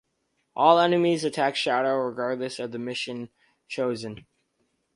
All enemies attack Shadow regardless of the mission chosen.